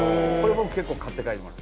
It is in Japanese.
僕結構買って帰ります